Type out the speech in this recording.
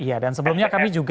iya dan sebelumnya kami juga